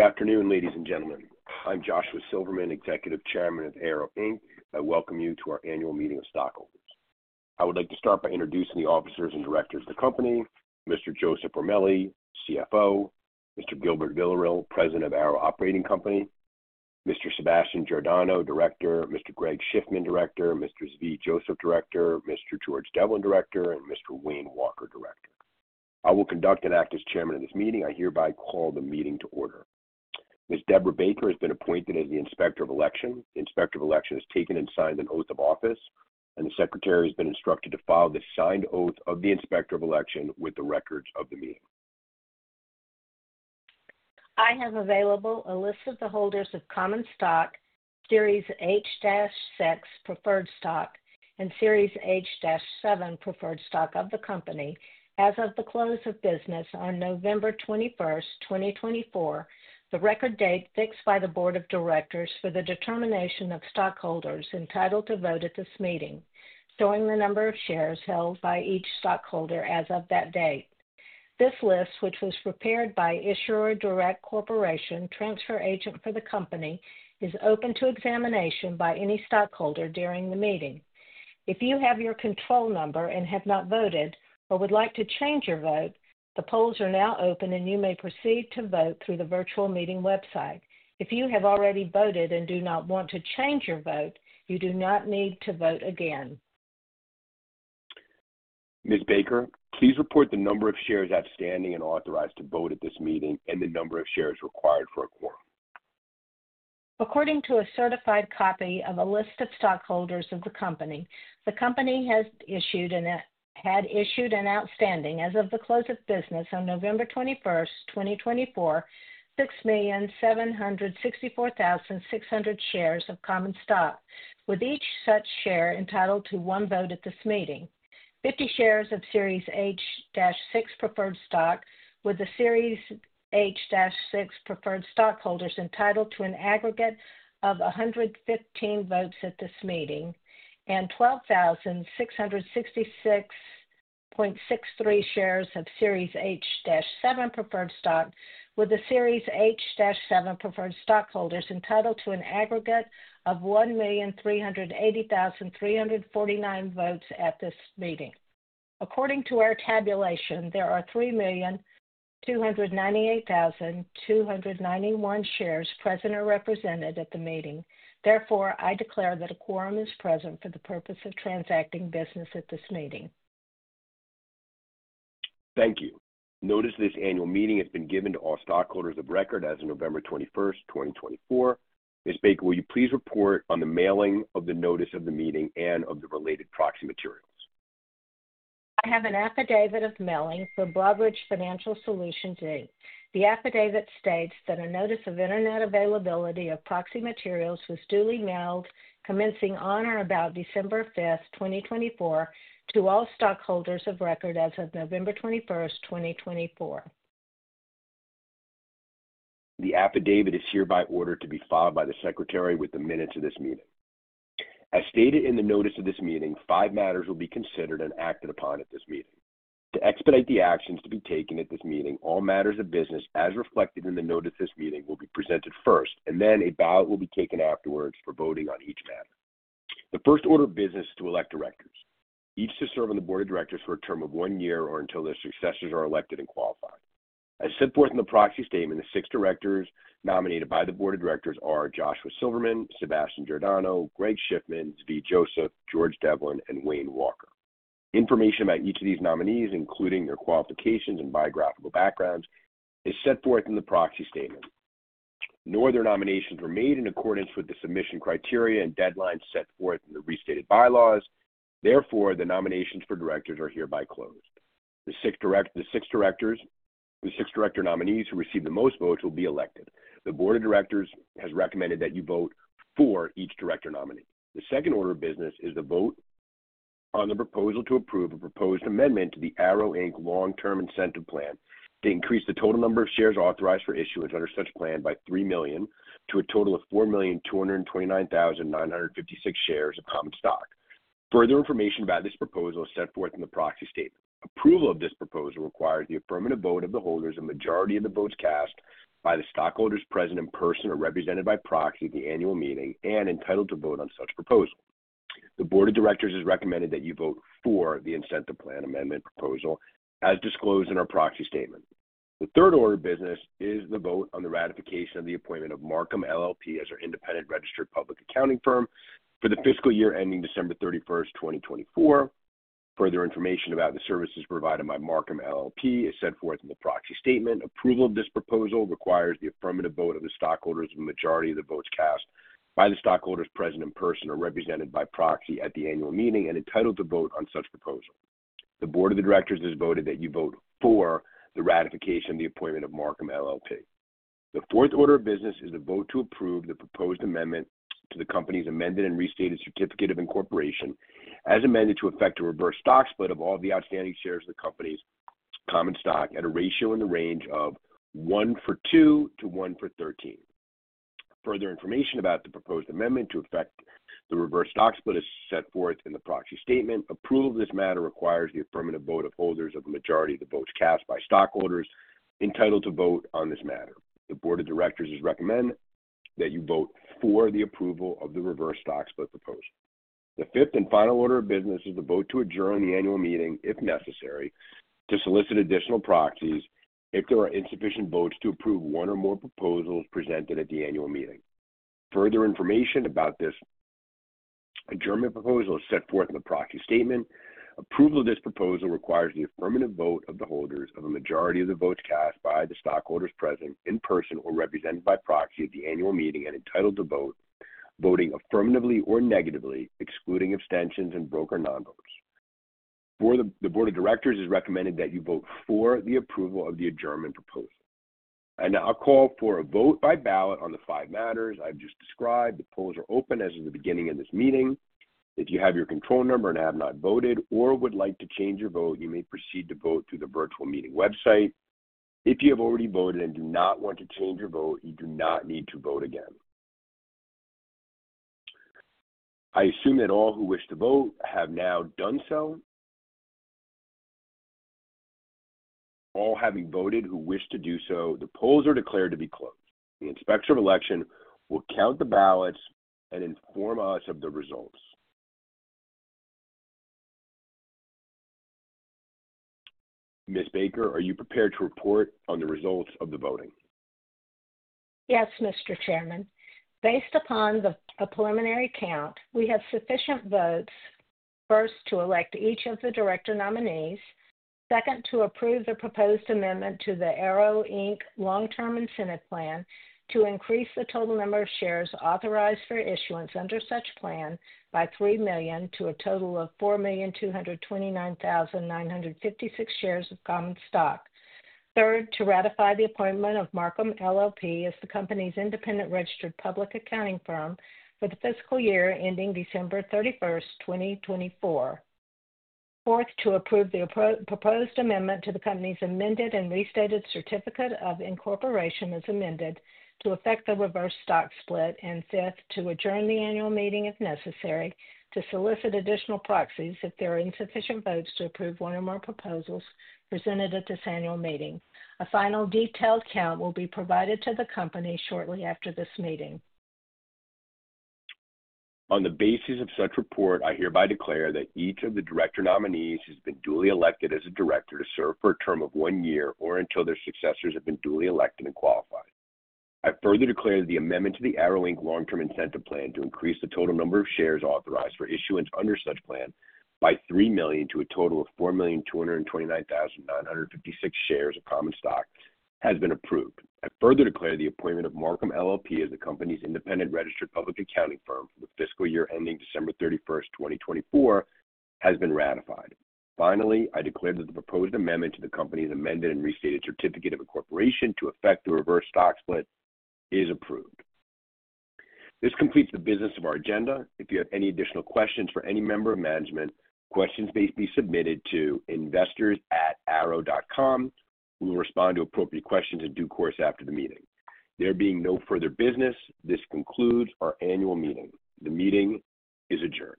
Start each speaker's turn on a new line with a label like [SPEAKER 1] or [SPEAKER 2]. [SPEAKER 1] Good afternoon, ladies and gentlemen. I'm Joshua Silverman, Executive Chairman of Ayro, Inc. I welcome you to our annual meeting of stockholders. I would like to start by introducing the officers and directors of the company: Mr. Joseph Ramelli, CFO, Mr. Gilbert Villarreal, President of Ayro Operating Company, Mr. Sebastian Giordano, Director, Mr. Greg Schiffman, Director, Mr. Zvi Joseph, Director, Mr. George Devlin, Director, and Mr. Wayne Walker, Director. I will conduct and act as Chairman of this meeting. I hereby call the meeting to order. Ms. Debra Baker has been appointed as the Inspector of Election. The Inspector of Election has taken and signed an oath of office, and the Secretary has been instructed to file the signed oath of the Inspector of Election with the records of the meeting.
[SPEAKER 2] I have available a list of the holders of common stock, Series H-6 preferred stock, and Series H-7 preferred stock of the company. As of the close of business on November 21st, 2024, the record date fixed by the Board of Directors for the determination of stockholders entitled to vote at this meeting, showing the number of shares held by each stockholder as of that date. This list, which was prepared by Issuer Direct Corporation, transfer agent for the company, is open to examination by any stockholder during the meeting. If you have your control number and have not voted or would like to change your vote, the polls are now open, and you may proceed to vote through the virtual meeting website. If you have already voted and do not want to change your vote, you do not need to vote again.
[SPEAKER 1] Ms. Baker, please report the number of shares outstanding and authorized to vote at this meeting and the number of shares required for a quorum.
[SPEAKER 2] According to a certified copy of a list of stockholders of the company, the company has issued and had issued an outstanding, as of the close of business on November 21st, 2024, 6,764,600 shares of common stock, with each such share entitled to one vote at this meeting, 50 shares of Series H-6 preferred stock, with the Series H-6 preferred stockholders entitled to an aggregate of 115 votes at this meeting, and 12,666.63 shares of Series H-7 preferred stock, with the Series H-7 preferred stockholders entitled to an aggregate of 1,380,349 votes at this meeting. According to our tabulation, there are 3,298,291 shares present or represented at the meeting. Therefore, I declare that a quorum is present for the purpose of transacting business at this meeting.
[SPEAKER 1] Thank you. Notice of this annual meeting has been given to all stockholders of record as of November 21st, 2024. Ms. Baker, will you please report on the mailing of the notice of the meeting and of the related proxy materials?
[SPEAKER 2] I have an affidavit of mailing for Broadridge Financial Solutions. The affidavit states that a notice of internet availability of proxy materials was duly mailed, commencing on or about December 5th, 2024, to all stockholders of record as of November 21st, 2024.
[SPEAKER 1] The affidavit is hereby ordered to be filed by the Secretary with the minutes of this meeting. As stated in the notice of this meeting, five matters will be considered and acted upon at this meeting. To expedite the actions to be taken at this meeting, all matters of business as reflected in the notice of this meeting will be presented first, and then a ballot will be taken afterwards for voting on each matter. The first order of business is to elect directors. Each is to serve on the Board of Directors for a term of one year or until their successors are elected and qualified. As set forth in the proxy statement, the six directors nominated by the Board of Directors are Joshua Silverman, Sebastian Giordano, Greg Schiffman, Zvi Joseph, George Devlin, and Wayne Walker. Information about each of these nominees, including their qualifications and biographical backgrounds, is set forth in the proxy statement. Now, their nominations were made in accordance with the submission criteria and deadlines set forth in the restated bylaws. Therefore, the nominations for directors are hereby closed. The six director nominees who received the most votes will be elected. The Board of Directors has recommended that you vote for each director nominee. The second order of business is the vote on the proposal to approve a proposed amendment to the Ayro, Inc. Long-Term Incentive Plan to increase the total number of shares authorized for issuance under such plan by 3 million to a total of 4,229,956 shares of common stock. Further information about this proposal is set forth in the proxy statement. Approval of this proposal requires the affirmative vote of the holders and majority of the votes cast by the stockholders present in person or represented by proxy at the annual meeting and entitled to vote on such proposal. The Board of Directors has recommended that you vote for the incentive plan amendment proposal as disclosed in our proxy statement. The third order of business is the vote on the ratification of the appointment of Marcum LLP as our independent registered public accounting firm for the fiscal year ending December 31st, 2024. Further information about the services provided by Marcum LLP is set forth in the proxy statement. Approval of this proposal requires the affirmative vote of the stockholders and majority of the votes cast by the stockholders present in person or represented by proxy at the annual meeting and entitled to vote on such proposal. The Board of Directors has voted that you vote for the ratification of the appointment of Marcum LLP. The fourth order of business is the vote to approve the proposed amendment to the company's amended and restated certificate of incorporation as amended to effect a reverse stock split of all the outstanding shares of the company's common stock at a ratio in the range of 1 for 2 to 1 for 13. Further information about the proposed amendment to effect the reverse stock split is set forth in the proxy statement. Approval of this matter requires the affirmative vote of holders of the majority of the votes cast by stockholders entitled to vote on this matter. The Board of Directors has recommended that you vote for the approval of the reverse stock split proposal. The fifth and final order of business is the vote to adjourn the annual meeting if necessary to solicit additional proxies if there are insufficient votes to approve one or more proposals presented at the annual meeting. Further information about this adjournment proposal is set forth in the proxy statement. Approval of this proposal requires the affirmative vote of the holders of the majority of the votes cast by the stockholders present in person or represented by proxy at the annual meeting and entitled to vote, voting affirmatively or negatively, excluding abstentions and broker non-votes. The Board of Directors has recommended that you vote for the approval of the adjournment proposal. I now call for a vote by ballot on the five matters I've just described. The polls are open as of the beginning of this meeting. If you have your control number and have not voted or would like to change your vote, you may proceed to vote through the virtual meeting website. If you have already voted and do not want to change your vote, you do not need to vote again. I assume that all who wish to vote have now done so. All having voted who wish to do so, the polls are declared to be closed. The Inspector of Election will count the ballots and inform us of the results. Ms. Baker, are you prepared to report on the results of the voting?
[SPEAKER 2] Yes, Mr. Chairman. Based upon the preliminary count, we have sufficient votes: first, to elect each of the director nominees. Second, to approve the proposed amendment to the Ayro, Inc. Long-Term Incentive Plan to increase the total number of shares authorized for issuance under such plan by 3 million to a total of 4,229,956 shares of common stock. Third, to ratify the appointment of Marcum LLP as the company's independent registered public accounting firm for the fiscal year ending December 31st, 2024. Fourth, to approve the proposed amendment to the company's amended and restated certificate of incorporation as amended to effect the reverse stock split. And fifth, to adjourn the annual meeting if necessary to solicit additional proxies if there are insufficient votes to approve one or more proposals presented at this annual meeting. A final detailed count will be provided to the company shortly after this meeting.
[SPEAKER 1] On the basis of such report, I hereby declare that each of the director nominees has been duly elected as a director to serve for a term of one year or until their successors have been duly elected and qualified. I further declare that the amendment to the Ayro, Inc. Long-Term Incentive Plan to increase the total number of shares authorized for issuance under such plan by 3 million to a total of 4,229,956 shares of common stock has been approved. I further declare the appointment of Marcum LLP as the company's independent registered public accounting firm for the fiscal year ending December 31st, 2024, has been ratified. Finally, I declare that the proposed amendment to the company's amended and restated certificate of incorporation to effect the reverse stock split is approved. This completes the business of our agenda. If you have any additional questions for any member of management, questions may be submitted to investors@ayro.com. We will respond to appropriate questions in due course after the meeting. There being no further business, this concludes our annual meeting. The meeting is adjourned.